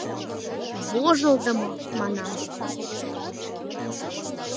— Вожылдымо! — манам.